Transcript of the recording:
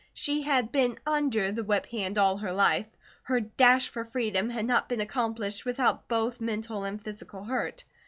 She had been under the whip hand all her life. Her dash to freedom had not been accomplished without both mental and physical hurt.